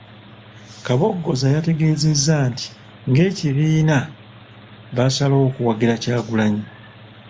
Kaboggoza yategeezezza nti ng'ekibiina baasalawo okuwagira Kyagulanyi.